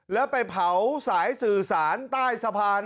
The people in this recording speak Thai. แล้วไปเผาสายสื่อสารใต้สะพาน